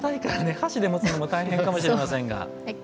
箸で持つのも大変かもしれませんが。